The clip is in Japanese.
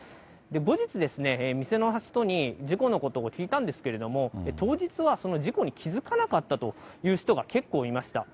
後日、店の人に事故のことを聞いたんですけれども、当日はその事故に気付かなかったという人が結構いました。